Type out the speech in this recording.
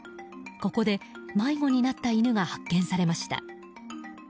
ここで迷子になった犬が発見されました。